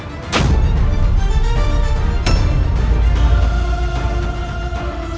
kamu mengunuh keluarga ku di pesta perjamuan